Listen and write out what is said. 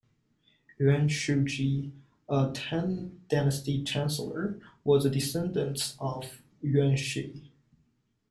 Yuan Shuji, a Tang dynasty chancellor, was a descendant of Yuan Xi.